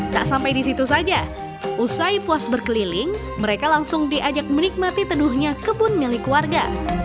tak sampai di situ saja usai puas berkeliling mereka langsung diajak menikmati teduhnya kebun milik warga